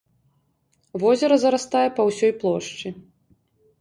Возера зарастае па ўсёй плошчы.